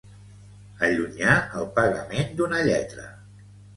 Allunyar el pagament d'una lletra.